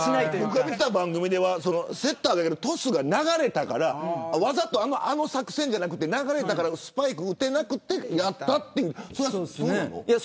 僕が見た番組ではセッターのトスが流れたからわざと、あの作戦じゃなくて流れたからスパイクを打てなくてやったという。